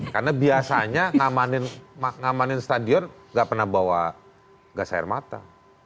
karena biasanya ngamanin ngamanin stadion gak pernah bawa gas air mata